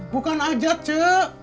bukan ajat cek